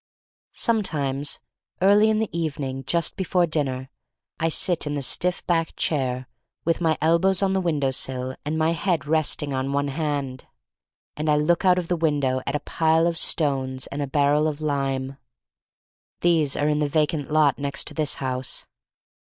Sometimes, early in the evening just before dinner, I sit in the stiff backed chair with my elbows on the window sill and my head resting on one hand, and I look out of the window at a Pile of Stones and a Barrel of Lime. These are in the vacant lot next to this house.